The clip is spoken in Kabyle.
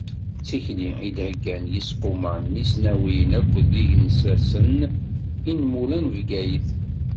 D tikli i d-heggan yiseqquma n yisnawiyen akked yigensasen inmula n Bgayet.